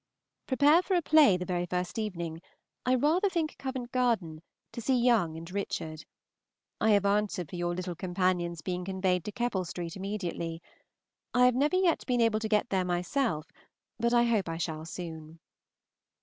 Prepare for a play the very first evening, I rather think Covent Garden, to see Young in "Richard." I have answered for your little companion's being conveyed to Keppel St. immediately. I have never yet been able to get there myself, but hope I shall soon.